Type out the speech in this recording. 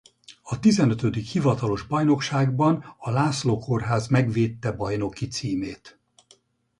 A tizenötödik hivatalos bajnokságban a László Kórház megvédte bajnoki címét.